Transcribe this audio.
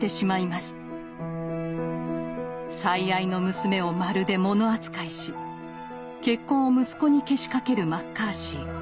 最愛の娘をまるで物扱いし結婚を息子にけしかけるマッカーシー。